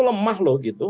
lemah loh gitu